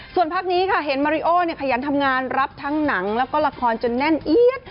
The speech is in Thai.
ส่วนภาพนี้ค่ะเห็นมาริโอขยันทำงานรับทั้งหนังแล้วก็ละครจนแน่นเอี๊ยด